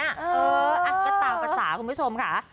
เออเอากระต่ากับสาวคุณผู้ชมค่ะ